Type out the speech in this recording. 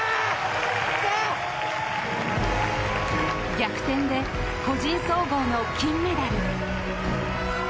逆転で個人総合の金メダル！